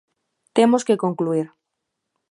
Temos que concluír.